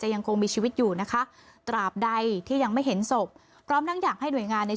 ยังคงมีชีวิตอยู่นะคะตราบใดที่ยังไม่เห็นศพพร้อมทั้งอยากให้หน่วยงานใน